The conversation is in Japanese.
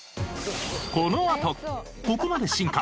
このあとここまで進化！